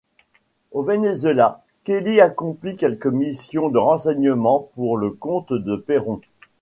Au Venezuela, Kelly accomplit quelques missions de renseignement pour le compte de Perón.